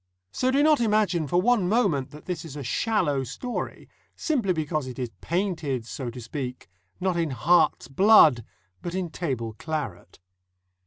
So do not imagine for one moment that this is a shallow story, simply because it is painted, so to speak, not in heart's blood but in table claret.